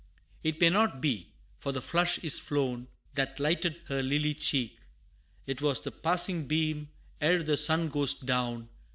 It may not be! for the flush is flown, That lighted her lily cheek 'Twas the passing beam, ere the sun goes down.